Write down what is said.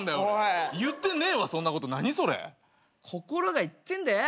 心が言ってんだよ。